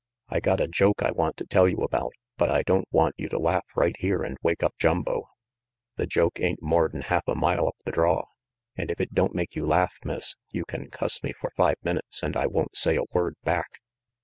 "I got a joke I want to tell you about, but I don't want you to laugh right here and wake up Jumbo. The joke ain't more'n half a mile up the draw, and if it don't make you laugh, Miss, you can cuss me for five minutes and I won't say a word back."